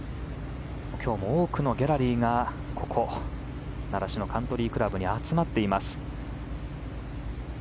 今日も多くのギャラリーがここ習志野カントリークラブに集まっています。